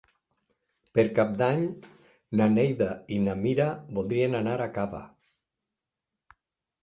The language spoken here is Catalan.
Per Cap d'Any na Neida i na Mira voldrien anar a Cava.